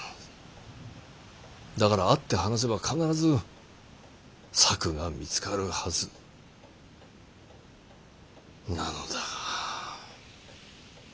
だから会って話せば必ず策が見つかるはずなのだが。